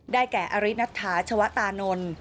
ได้แก่อรินัทฐาชวตานนท์